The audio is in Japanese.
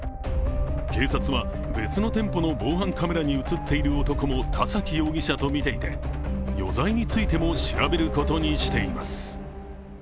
警察は別の店舗の防犯カメラに映っている男も田崎容疑者とみていて余罪についても調べることにしています。